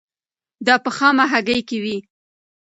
دا په خامه هګۍ کې وي.